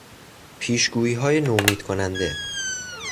پیش گوییهای نومید کننده